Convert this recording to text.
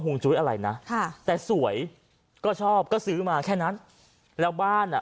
งจุ้ยอะไรนะค่ะแต่สวยก็ชอบก็ซื้อมาแค่นั้นแล้วบ้านอ่ะ